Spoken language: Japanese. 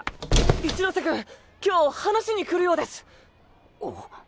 一ノ瀬君今日話に来るようです！